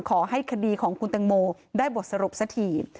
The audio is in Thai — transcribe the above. ขอให้คดีของคุณตังโมได้บทสรุปสักที